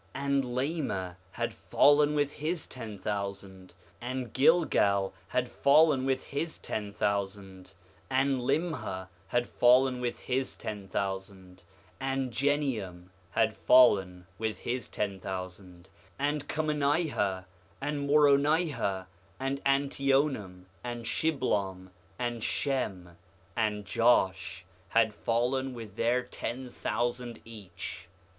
6:14 And Lamah had fallen with his ten thousand; and Gilgal had fallen with his ten thousand; and Limhah had fallen with his ten thousand; and Jeneum had fallen with his ten thousand; and Cumenihah, and Moronihah, and Antionum, and Shiblom, and Shem, and Josh, had fallen with their ten thousand each.